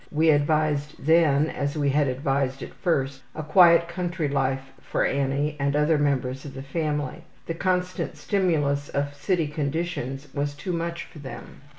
We advised then, as we had advised at first, a quiet country life for Annie and the other members of the family. The constant stimulus of city conditions was too much for them.